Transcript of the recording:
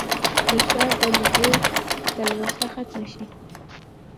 د ښار د لیدو تلوسه ختمه شي.